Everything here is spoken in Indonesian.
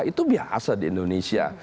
itu biasa di indonesia